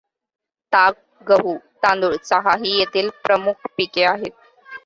ताग, गहू, तांदूळ, चहा ही येथील प्रमुख पिके आहेत.